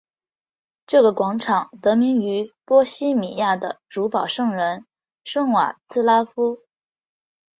这个广场得名于波希米亚的主保圣人圣瓦茨拉夫。